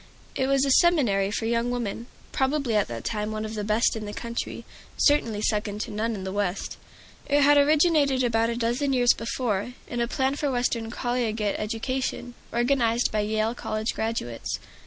It was a seminary for young women, probably at that time one of the best in the country, certainly second to none in the West. It had originated about a dozen years before, in a plan for Western collegiate education, organized by Yale College graduates.